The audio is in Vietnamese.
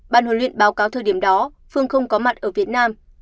ban huấn luyện báo cáo thời điểm đó phương không có mặt ở việt nam